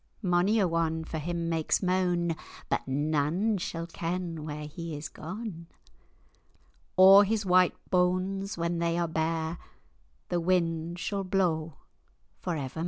Mony a one for him makes mane, But nane sall ken where he is gane; O'er his white banes, when they are bare, The wind sall blaw for evermair."